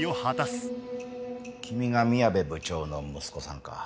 君が宮部部長の息子さんか。